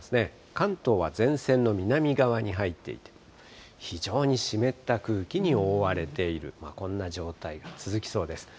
関東は前線の南側に入っていて、非常に湿った空気に覆われている、こんな状態が続きそうです。